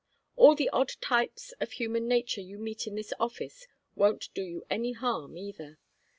All the odd types of human nature you meet in this office won't do you any harm, either.